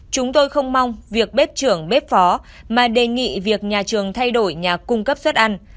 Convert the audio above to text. chúng tôi không mong việc bếp trưởng bếp phó mà đề nghị việc nhà trường thay đổi nhà cung cấp suất ăn